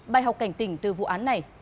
bài học cảnh tình từ vụ án này